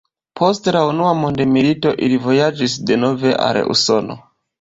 Post la unua mondmilito ili vojaĝis denove al Usono.